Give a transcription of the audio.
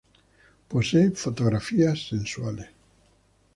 Posee fotografías sensuales.